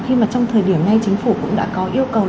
khi mà trong thời điểm nay chính phủ cũng đã có yêu cầu